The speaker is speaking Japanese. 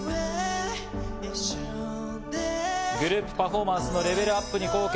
グループパフォーマンスのレベルアップに貢献。